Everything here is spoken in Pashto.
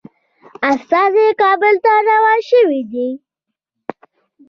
استازي کابل ته روان شوي دي.